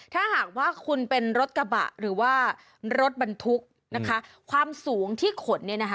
ถ้าหากว่าคุณเป็นรถกระบะหรือว่ารถบรรทุกนะคะความสูงที่ขนเนี่ยนะคะ